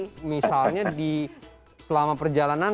kemudian misalnya di selama perjalanan